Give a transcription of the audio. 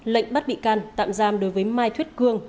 lệnh bắt bị can tạm giam đối với mai thuyết cương